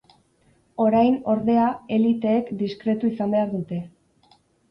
Orain, ordea, eliteek diskretu izan behar dute.